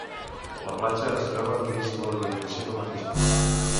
La platja es troba dins de la urbanització del mateix nom.